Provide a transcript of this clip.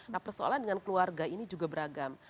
nah persoalan dengan keluarga ini juga beragam